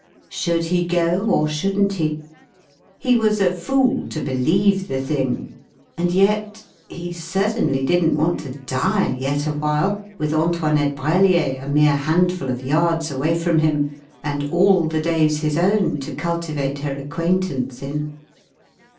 Should he go or shouldn't he? He was a fool to believe the thing, and yet He certainly didn't want to die yet awhile, with Antoinette Brellier a mere handful of yards away from him, and all the days his own to cultivate her acquaintance in.